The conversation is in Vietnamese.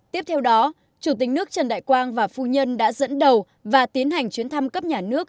tiếp theo đó chủ tịch nước trần đại quang và phu nhân đã dẫn đầu và tiến hành chuyến thăm cấp nhà nước